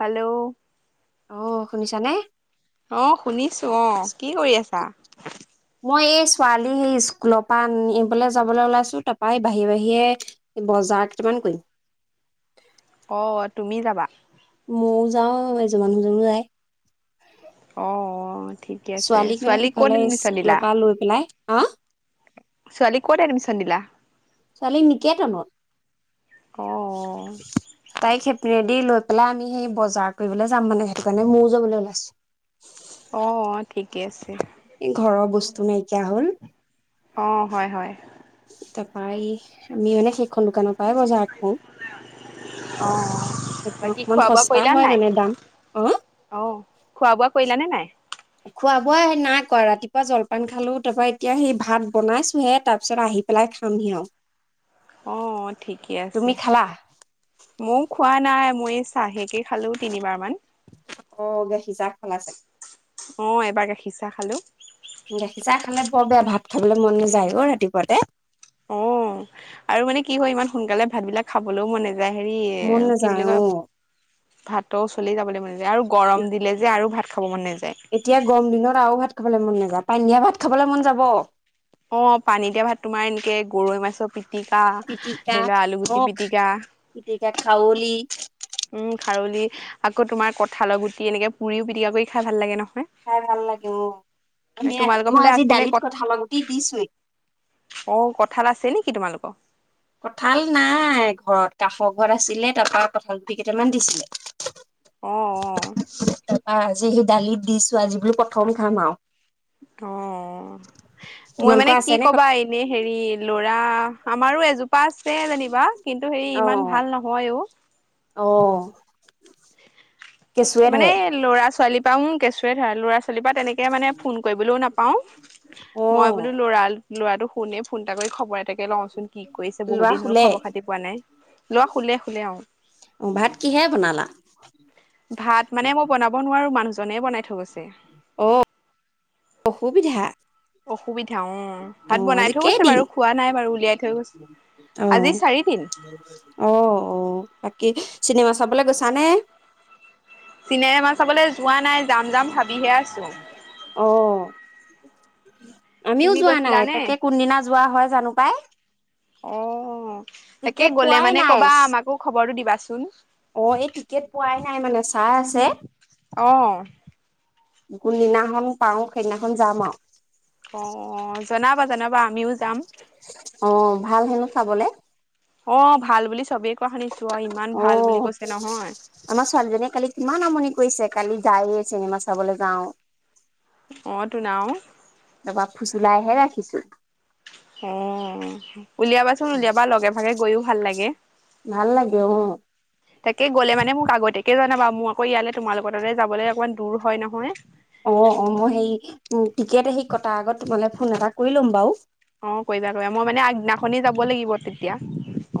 Hello অঁ শুনিছানে? অঁ শুনিছো অঁ কি কৰি আছা? মই এই ছোৱালী সেই স্কুলৰ পা আনিবলে যাবলে ওলাইছো, তাপা হেই বাহি বাহিৰে- বজাৰ কেইটামান কৰিম। অ' তুমি যাবা? মওঁ যাওঁ এযোৰ মানুহজনো যায়। অঁ অঁ ঠিকে আছে, ছোৱালীক মানে ছোৱালী ক'ত সেইফালে এডমিচন স্কুলৰ দিলা? পৰা লৈ পেলাই, হাঁ? ছোৱালীক ক'ত এডমিশন দিলা? ছোৱালী নিকেতনত। অ তাইক সেপিনেদি লৈ পেলাই আমি সেই বজাৰ কৰিবলৈ যাম মানে সেইটো কাৰণে ময়ো যাবলে ওলাইছো। অঁ অঁ ঠিকেই আছে। এই ঘৰৰ বস্তু নাইকিয়া হল। অঁ হয় হয়। তাপা এই আমি মানে সেইখন দোকানৰ পৰাই বজাৰ কৰোঁ। অঁ অঁ। সেইখন অকমান সঁস্তা হয় মানে দাম, অঁ। অঁ খোৱা বোৱা কৰিলানে নাই? খোৱা বোৱা হেই নাই কৰা ৰাতিপুৱা জলপান খালো তাপা এতিয়া সেই ভাত বনাইছোহে, তাপিছত আহি- পেলাই খামহি আওঁ। অঁ ঠিকেই আছে, মও খোৱা নাই মই- চাহেকে খালোঁ তিনিবাৰমান। অঁ গাখীৰ চাহ খালা চাগে? অঁ এবাৰ গাখীৰ ছাহ খালো। গাখীৰ চাহ খালে বৰ বেয়া ভাত খাবলে মন নাযায় অ ৰাতিপুৱাতে। অঁ আৰু মানে কি হয় ইমান সোনকালে ভাত বিলাক খাবলৈও মন নেয- যায় হেৰি, মন কি নাযায় বুলি কয়? অ ভাতৰ ওচলেই যাবলে মন যায় আৰু গৰম দিলে যে আৰু ভাত খাব মন নেযায়। এতিয়া গৰম দিনত আৰু ভাত খাবলে মন নেযায়, পানী দিয়া ভাত খাবলে মন যাব। অঁ পানী দিয়া ভাত তোমাৰ এনেকে গৰৈ মাছৰ পিটিকা পিটিকা ধৰি লোৱা অ আলুগুটি পিটিকা। পিটিকা খাৱলি। উম' খাৰলি আকৌ তোমাৰ কঁঠালৰ গুটি এনেকে পুৰিও পিটিকা কৰি খাই ভাল লাগে নহয়। খাই ভাল লাগে অঁ, আমি ইয়াত তোমালোকৰ মই ফালে আজি আছে নে দালিত কঠালৰ গুটি দিছোৱেই। অঁ কঁঠাল আছে নেকি তোমালোক? কঁঠাল নাই ঘৰত কাষৰ ঘৰত আছিলে, তাৰপৰা কঁঠাল গুটি কেইটামান দিছিলে। অঁ অঁ। অঁ আজি সেই দালিত দিছো, আজি বুলো প্ৰথম খাম আও। অঁ মই মানে তোমালোকৰ আছে কি নে ক'বা এনেই হেৰি লৰা আমাৰো এজোপা আছে যেনিবা, কিন্তু হেৰি অ ইমান ভাল নহয় অ' অ' এ কেঁচুৱে মানে ধৰে ল'ৰা ছোৱালীৰ পা ও কেঁচুৱে ধৰা ল'ৰা ছোৱালীৰ পা তেনেক কে মানে ফোন কৰিবলেও নাপাও অ মই বোলো ল'ৰা লৰাটো শোনে ফোন এটা কৰি খবৰ এটাকে -কে লও চোন কি কৰিছে লৰা বহুত দিন হ'ল শুলে খবৰ খাতি পোৱা না, ই ল'ৰা শুলে শুলে আও অঁ ভাত কিহেৰে বনালা? [inaudible] ভাত মানে মই বনাব নোৱাৰো, মানুহজনে হে বনাই থৈ গৈছে। অ' অসুবিধা। অসুবিধা অঁ অ ভাত বনাই আজি থৈ গৈছে কেইদিন বাৰু খোৱা নাই বাৰু উলিয়াই থৈ গৈছে। অ আজি চাৰিদিন। [inaudible] অ' অ' বাকী চিনেমা চাবলে গৈছা নে? চিনেমা চাবলৈ যোৱা নাই, যাম যাম ভাবিহে আছ অ' আমিও তুমি যোৱা নাই, গৈছিলানে? তাকে কোন দিনা যোৱা হয় জানো পাই। অঁ, তাকে টিকেট গ'লে পোৱাই মানে নাই ক'বা আমাকো খবৰটো দিবা চোন। অ' এই টিকেট পোৱাই নাই, মানে চাই আছে। অ কোন দিনাখন পাও সেইদিনাখন যাম আও। অঁ জনাবা জনাবা আমিও যাম। অঁ ভাল হেনো চাবলে। অঁ ভাল বুলি চ'বেই কোৱা শুনিছো আও ইমান ভাল অ বুলি কৈছে নহয়। আমাৰ ছোৱালীজনীয়ে কালি কিমান আমনি কৰিছে, কালি যায়ে চিনেমা চাবলে যাওঁ। অঁ তোন আও। তাপা ফুচুলাই হে ৰাখিছো। অঁ, উলিয়াবা চোন উলিয়াবা, লগে ভাগে গৈও ভাল লাগে। ভাল লাগে [inaudible] তাকে গ'লে মানে মোক আগতীয়াকে জনাবা, মোৰ আকৌ ইয়ালৈ তোমালোকৰ তালৈ যাবলে অকণমান দূৰ হয় নহয়। অঁ অঁ [unintelligible] কটাৰ আগত তোমালে ফোন এটা কৰি ল'ম বাও। অঁ কৰিবা কৰিবা, মই মানে আগদিনা খনে যাব লাগিব তেতিয়া।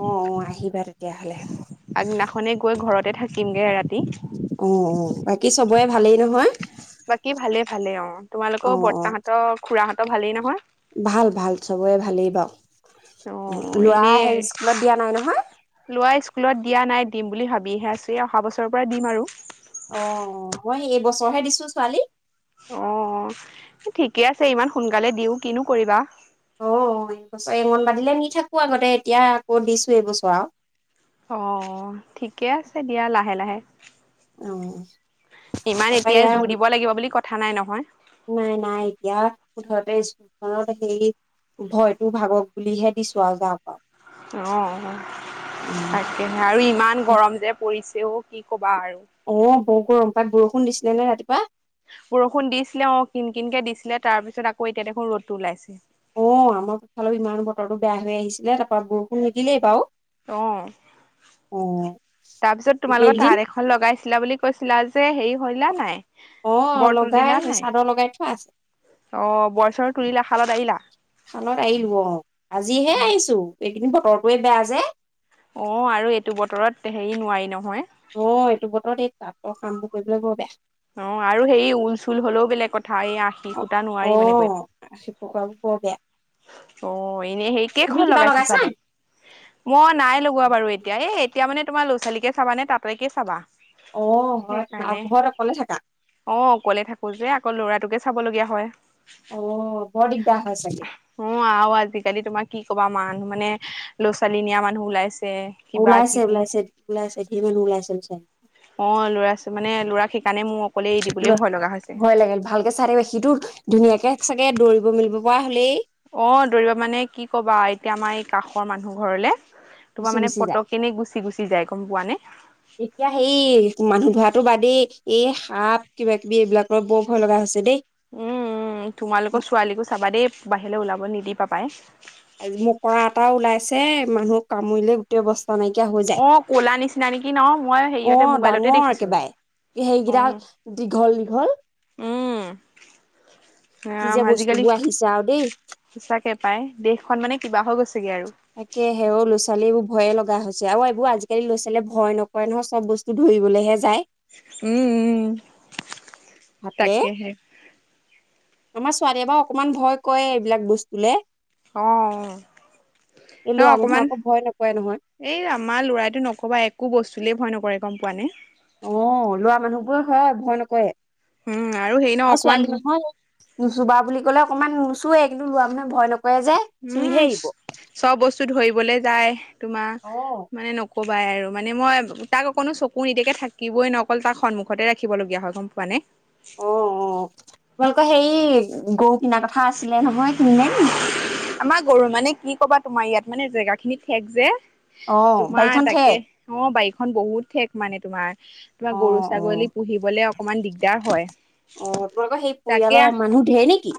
অ অ আহিবা তেতিয়াহ'লে গৈ ঘৰতে থাকিম গে ৰাতি। অঁ অঁ বাকী চ'বৰে ভালেই নহয়? বাকী ভালে ভালে অঁ অ তোমালোকৰ অ বৰতাহঁতৰ খুৰাহঁতৰ ভালেই নহয়? ভাল ভাল চ'বৰে ভালেই বাও, অ ল'ৰা এনে সেই স্কুলত দিয়া নাই নহয়? ল'ৰা স্কুলত দিয়া নাই দিম বুলি ভাবিহে আছো, এই অহা বছৰৰ পৰা দিম আৰু। অ' মই এই বছৰহে দিছো ছোৱালী। অঁ ঠিকে আছে ইমান সোনকালে দি কিনো কৰিবা? অ' এই অংগনবাড়ীলে নি থাকো আগতে এতিয়া আকৌ দিছো এইবছৰ আও অঁহ ঠিকে আছে দিয়া, লাহে লাহে। অ ইমান তাৰপৰা এতিয়াই ইয়াৰ জুৰ দিব লাগিব বুলি কথা নাই নহয়। নাই নাই এতিয়া মুঠতে স্কুলখনত হেৰি ভয়তো ভাগক বুলিহে দিছো আৰু যাওঁক আৰু। অহ তাকেহে আৰু ইমান গৰম যে পৰিছে ও কি কবা আৰু। অহ বৰ গৰম তাত বৰষুণ দিছিলে নে ৰাতিপুৱা? বৰষুণ দিছিলে অহ কিন কিনকে দিছিলে তাৰপিছত আকৌ এতিয়া দেখোন ৰ'দটো ওলাইছে। অহ আমাৰ ইফালেও ইমান বতৰটো বেয়া হৈ আহিছিলে তাৰপৰা বৰষুণ নিদিলে বাৰু। অ অহ তাৰপিছত তোমালোকৰ এইকেইদিন তাতঁ লগাইছিলা বুলি কৈছিলা যে হেৰি কৰিলা নে নাই? অহ বৰ লগাই আছে চাদৰ লগাই থোৱা আছে। অহ বৰ ছৰ তুলিলা শালত এৰিলা? শালত এৰিলোঁ অহ আজিহে আহিছোঁ এইকেইদিন বতৰটোৱে বেয়া যে। অহ আৰু এইটো বতৰত হেৰি নোৱাৰি নহয়। অহ এইটো বতৰত এই তাতঁৰ কামবোৰ কৰিবলৈ বৰ বেয়া। অহ আৰু সেৰি ঊল চুল হলেওঁ বেলেগ কথা এই আশি অ সূতা অ নোৱাৰি মানে কৰিব। [inaudible] অহ এনেই সেই তুমি কেইখন কিবা লগাইছে লগাইছা চাদৰ? মই নাই লগোৱা বাৰু এতিয়া এ এতিয়া মানে তোমাৰ লৰা ছোৱালীকে চাবা নে তাতেঁকে চাবা। অহ হয় দে ঘৰত অকলে থাকা? অহ অকলে থাকো যে আকৌ ল'ৰাটোকে চাবলগীয়া হয়। অ' বৰ দিগদাৰ হয় চাগে? অহ আৰু আজিকালি তোমাৰ কি কবা মানুহ মানে সৰু ল'ৰা ছোৱালী নিয়া মানুহ ওলাইছে। কিবা ওলাইছে কিবি ওলাইছে ওলাইছে ধেৰ মানুহ ওলাইছে অহ ল'ৰাছো মানে ল'ৰাক সেইকাৰণে মোৰ অকলে এৰি দিবলে ভয় লগা হৈছে। [inaudible] ভালকেই চাই থাকিবা সেইটো ধুনীয়াকে চাগে দৌৰিব মেলিব পৰা হ'লেই? অহ দৌৰিবা মানে কি কবা এতিয়া আমাৰ এই কাষৰ মানুহ ঘৰলে তোমাৰ গুচি মানে গুচি যায়। পতক কেনি গুচি গুচি যায় গম পোৱা নে। এতিয়া সেই মানুহ ধৰাটো বাদেই এই সাপ কিবা কিবি এইবিলাকৰ বৰ ভয় লগা হৈছে দেই। উম, ' উম', তোমালোকৰ ছোৱালীকো চাবা দেই বাহিৰলৈ ওলাব নিদিবা পাই। আজি মকৰা এটাও ওলাইছে মানুহক কামুৰিলে গোটেই ব অবস্থা নাইকিয়া হৈ যায় অ ক'লা নিচিনা নেকি ন মই হেৰিয়তে অহ মোবাইলতে ডাঙৰ দেখিছো একেবাৰে। সেইকেইডাল দীঘল দীঘল উম। কি যে ৰাম আজিকালি বস্তুবোৰ আহিছে আৰু দেই। সঁচাকে পায় দেশখন মানে কিবা হৈ গৈছেগে আৰু। তাকে সেও ল'ৰাছোৱালীবোৰ ভয়ে লগা হৈছে আৰু এইবোৰ আজিকালি ল'ৰাছোৱালীয়ে ভয় নকৰে নহয় চব বস্তু ধৰিবলৈহে যায়। উম উম হাতেৰে তাকেহে। আমাৰ ছোৱালীয়ে বাৰু অকমান ভয় কৰে এইবিলাগ বস্তুলে। অ এই ন লৰা অকমান মানুহে আকৌ ভয় নকৰে নহয়। এই আমাৰ ল'ৰাইটো নকবাই একো বস্তুলে ভয় নকৰে গম পোৱা নে। অহ লৰা মানুহবোৰে ভয় নকৰে উম হেৰি ন আৰু অকমান ছোৱালী মানুহৰ নুচুবা বুলি ক'লে অকণমান নুচোৱে কিন্তু লৰা মানুহে ভয় নকৰে যে। চুইহে উম এৰিব চব বস্তু ধৰিবলে যায় তোমাৰ অ মানে নকবাই আৰু মানে মই তাক অকণো চকু নিদিয়াকে থাকিবই অকল তাক সন্মুখতে ৰাখিবলগীয়া হয় গম পোৱানে। অহ অহ তোমালোকৰ হেৰি গৰু কিনাৰ কথা আছিলে নহয় কিনিলে নেকি? আমাৰ গৰু মানে কি কবা তোমাৰ ইয়াত মানে জেগা খিনি ঠেক যে। অ তোমাৰ বাৰীখন তাকে ঠেক অঁ' বাৰীখন বহুত ঠেক মানে তোমাৰ। তোমাৰ অ গৰু অ ছাগলী পুহিবলে অকমান দিগদাৰ হয়, অ তোমালোকৰ সেই তাকে। পৰিয়ালৰ মানুহ ঢেৰ নেকি?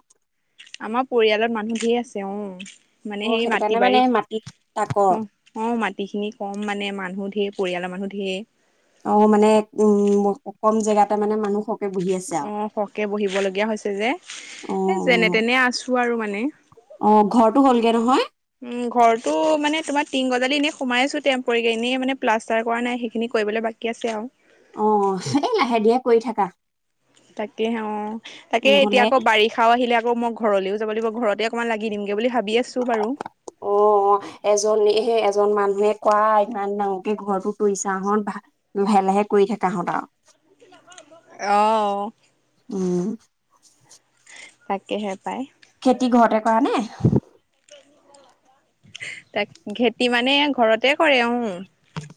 আমাৰ পৰিয়ালত মানুহ ঢেৰ আছে অঁ' মানে অ সেই সেইটো মাটি কাৰণে মানে মাটিত তাকৰ বাৰী- অঁ' মাটি খিনি কম মানে মানুহ ঢেৰ পৰিয়ালৰ ঢেৰ। অঁ' মানে উমঁ' কম জেগাতে মানে মানুহক- অঁ' খকে বহিব লগীয়া হৈছে যে। অ এ যেনে তেনে আছো আৰু মানে। অঁ' ঘৰটো হ'লগে নহয়। উমঁ' ঘৰটো মানে তোমাৰ তিং গজালি এনেই সোমাই আছো তেমপৰিকে এনেই মানে প্লাষ্টাৰ কৰা নাই সেইখিনি কৰিবলৈ বাকী আছে আৰু। অঁ' এই লাহে ধিৰে কৰি থাকা। তাকেহে অঁ' তাকে এতিয়া নহ'লে আকৌ বাৰি ষাও আহিলে আকৌ মই ঘৰলৈও যাব লাগিব, ঘৰতে অকণমান লাগি দিমগে বুলি ভাবি আছো বাৰু। অঁ। অঁ' এজন এজন মানুহে কোৱা ইমান ডাঙৰকে ঘৰটো তৰিছা লাহে লাহে কৰি থাকাহত আৰু। অহ'। উমঁ। তাকেহে পায়। খেতি ঘৰতে কৰা নে? তাক। খেতি মানে ঘৰতে কৰে উমঁ'।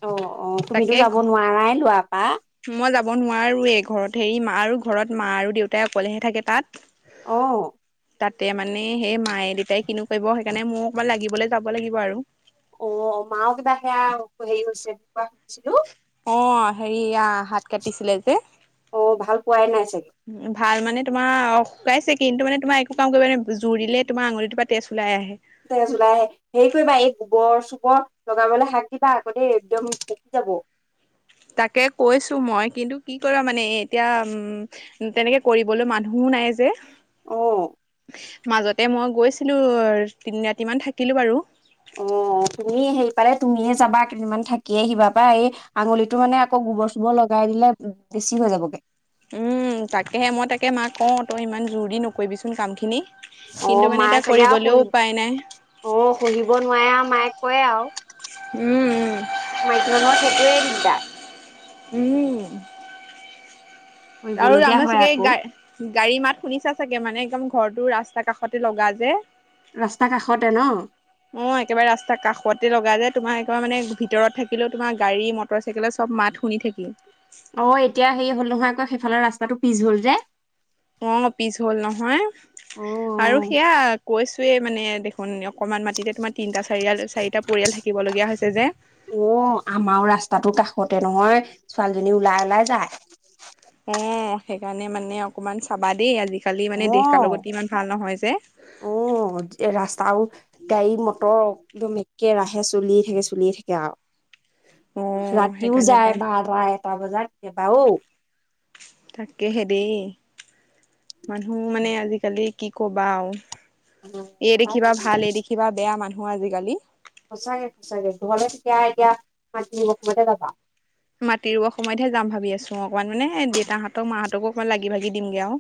অঁ' অঁ' তুমিতো যাব নোৱাৰাই ল'ৰা পৰা। মই যাব নোৱাৰোৱে, ঘৰত হেৰি মা আৰু ঘৰত মা আৰু দেউতাই অকলেহে থাকে তাত। অঁ। তাতে মানে সেই মায়ে দেউতাই কিনো কৰিব সেইকাৰণে মইয়ো অকমান লাগিবলৈ যাব লাগিব আৰু। অঁ' মা কিবা সেয়া হেৰি হৈছে বুলি কোৱা শুনিছিলো। অঁ' হেৰিয়া হাত কাটিছিলে যে। অঁ' ভাল পোৱাই নাই চাগে। উমঁ' ভাল মানে তোমাৰ শুকাইছে কিন্তু মানে তোমাৰ একো কাম কৰিবলৈ জুৰ দিলে তোমাৰ আঙুলিটোৰ পৰা তেজ ওলাই আহে। তেজ ওলাই আহে। হেৰি কৰিবা এই গোবৰ চোবৰ লগাবলৈ শাক দিবা আকৌ দেই একদম পকি যাব। তাকে কৈছো মই কিন্তু কি কৰা মানে এতিয়া উমঁ'- তেনেকে কৰিবলৈ মানুহও নাই যে। অঁ। মাজতে মই গৈছিলোঁ তিনি ৰাতি মান থাকিলো বাৰু। অঁ' তুমি হেৰি পালে তুমিয়ে যাবা কেইদিনমান থাকি আহিবা পাই, এই- আঙুলিটো মানে আকৌ গোবৰ চোবৰ লগাই দিলে বেছি হৈ যাবগে। উমঁ' তাকেহে, মই তাকে মাক কওঁ তই ইমান জোৰ দি নকৰিবিচোন কাম খিনি। কিন্তু অঁ' মানে মায়ে এতিয়া চাগে আৰু কৰিবলৈও উপায় নাই শ, অঁ' শহিব নোৱাৰে আৰু মায়ে কৰে আৰু। উমঁ' উমঁ'। মাইকী মানুহক সেইটোৱে দিগদাৰ। উমঁ। আৰু কৰিবলগীয়া আমাৰ হয় চাগে আকৌ গাই গাড়ী মাত শুনিছা চাগে মানে একদম ঘৰটো ৰাস্তা কাষতে লগা যে। ৰাস্তা কাষতে ন? অ' একেবাৰে ৰাস্তা কাষতে লগা যে তোমাৰ একেবাৰে মানে ভিতৰত থাকিলেও তোমাৰ গাড়ী, মট মটৰ চাইকেলৰ চব মাত শুনি থাকি। অ'এতিয়া হেৰি হ'ল নহয় আকৌ সেইফালৰ ৰাস্তাটো পিজ হ'ল যে। অ'পিছ হল নহয় অ আৰু সেইয়া কৈছোৱে মানে দেখ [unintelligible] অকনমান মাটিতে তোমাৰ তিনটা চাৰিয়াল চাৰিটা পৰিয়াল থাকিব লগীয়া হৈছে যে অ' আমাৰো ৰাস্তাতো কাষতে নহয় ছোৱালীজনী ওলাই, ওলাই যায়। অ' সেইকাৰণে মানে অকমান চাবা দেই আজি কালি মানে দেশ কালৰ অ', গতি ইমান ভাল নহয় যে। অ' এ ৰাস্তাও গাড়ী, মটৰ একদম একেৰাহে চলিয়ে থাকে, চলিয়ে থাকে আও। অ ৰাতিও সেইকাৰণে যায় পাই বাৰটা, এটা বজাত কেবা ঔ। তাকেহে দেই মানুহ মানে আজিকালি কি ক'বা আও এই দেখিবা ভাল, এই দেখিবা বেয়া মানুহ আজিকালি। সঁচাকে-সঁচাকে ঘৰলে কেতিয়া এতিয়া মাটি ৰুব সময়তে যাবা মাটি ৰুব সময়তহে যাম ভাবি আছো অ'অকণমান মানে দেউতাহঁতক-মাহঁতকো অকণমান লাগি ভাগি দিমগে আও।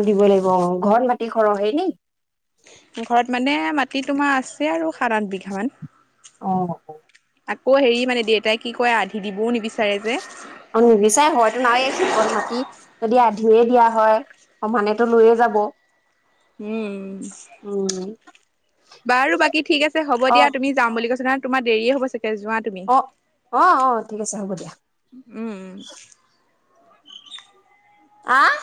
অ'দিবই লাগিব অ' ঘৰত মাটি খৰহে নি? ঘৰত মানে মাটি তোমাৰ আছে আৰু সাত, আঠ বিঘা মান। অ', আকৌ হেৰি মানে দেউতাই কি কয় আধি দিবও নিবিচাৰে যে। অ'নিবিচাই হয়তোন আও সেইকণ মাটি যদি আধিয়ে দিয়া হয় সমানেতো লৈয়ে যাব। উম, উম, বাৰু বাকী ঠিক আছে হ'ব দিয়া অ', তুমি যাম বুলি কৈছিলা তোমাৰ দেৰিয়ে হ'ব চাগে যোৱা। তুমি অ'অ'অ'ঠিক আছে হ'ব দিয়া। উম, উম। আহ?